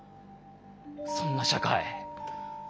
そんな社会。